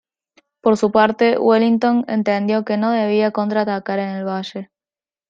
Por su parte, Wellington entendió que no debía contraatacar en el valle.